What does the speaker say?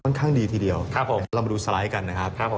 ข้างดีทีเดียวครับผมเรามาดูสไลด์กันนะครับผม